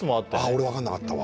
俺分かんなかったわ